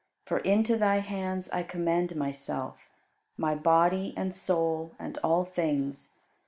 For into Thy hands I commend myself, my body and soul, and all things.